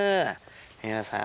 皆さん。